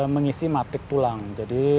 mengisi matrik tulang jadi